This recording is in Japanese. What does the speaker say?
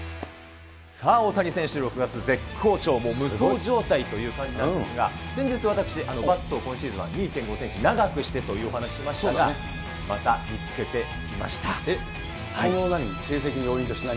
さあ、大谷選手、６月、絶好調、もう無双状態という感じなんですが、先日、私、バットを今シーズンは２．５センチ、長くしてというお話をしましたが、また見つけえっ、あるんです。